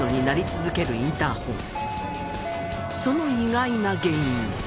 その意外な原因。